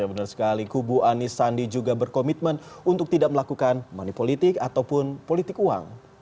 benar sekali kubu anis sandi juga berkomitmen untuk tidak melakukan manipolitik ataupun politik uang